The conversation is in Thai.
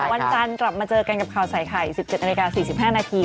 วันจันทร์กลับมาเจอกันกับข่าวใส่ไข่๑๗นาฬิกา๔๕นาที